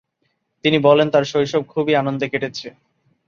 তিনি বলেন তার শৈশব খুবই আনন্দে কেটেছে।